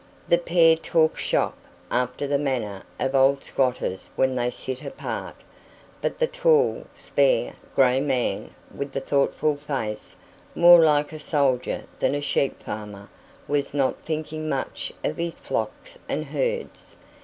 The pair talked shop, after the manner of old squatters when they sit apart; but the tall, spare, grey man with the thoughtful face more like a soldier than a sheep farmer was not thinking much of his flocks and herds.